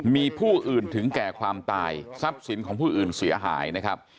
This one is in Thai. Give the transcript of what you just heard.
มีผู้อื่นถึงแก่ความตายทรัพย์สินของผู้อื่นเสียหายนะครับ